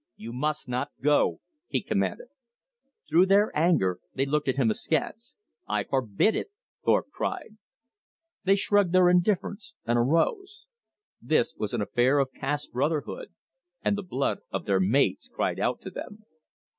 "You must not go," he commanded. Through their anger they looked at him askance. "I forbid it," Thorpe cried. They shrugged their indifference and arose. This was an affair of caste brotherhood; and the blood of their mates cried out to them.